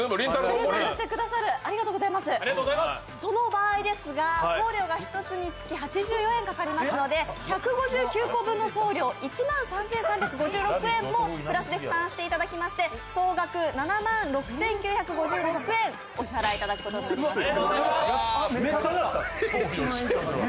その場合ですが、送料が１つにつき８４円かかりますので１５９個分の送料、１万３３５６円もプラスで負担していただきまして総額７万６９５６円、お支払いいただくことになります。